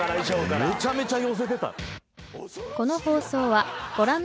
めちゃめちゃ寄せてた。